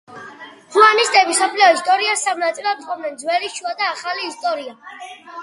ჰუმანისტები მსოფლიო ისტორიას სამ ნაწილად ყოფდნენ: ძველი, შუა და ახალი ისტორია.